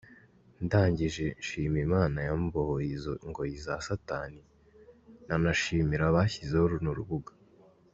Ndangije shima Imana yambohoye izo ngoyi za Satani, nanashimira abashyizeho runo rubuga.